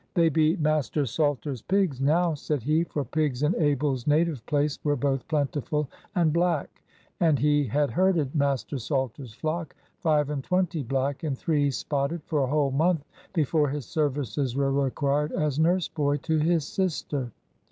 "They be Master Salter's pigs now," said he. For pigs in Abel's native place were both plentiful and black; and he had herded Master Salter's flock (five and twenty black, and three spotted) for a whole month before his services were required as nurse boy to his sister.